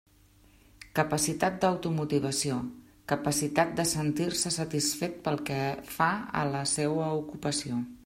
Capacitat d'automotivació: capacitat de sentir-se satisfet pel que fa a la seua ocupació.